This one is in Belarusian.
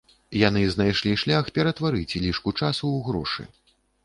І яны знайшлі шлях ператварыць лішку часу ў грошы.